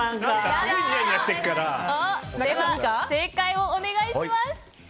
正解をお願いします！